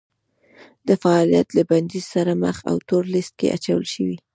د فعالیت له بندیز سره مخ او تور لیست کې اچول شوي